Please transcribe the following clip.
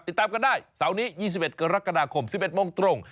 ติดตามกันได้เสาร์นี้๒๑กรกฎาคม๑๑โมงตรง